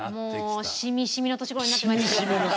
もうしみしみの年頃になって参りましたね。